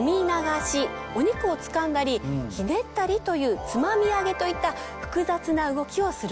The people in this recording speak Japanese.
お肉をつかんだりひねったりというつまみ上げといった複雑な動きをするんです。